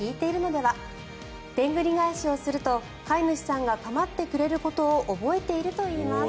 でんぐり返しをすると飼い主さんが構ってくれることを覚えているといいます。